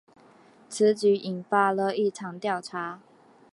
此举引发了一场调查。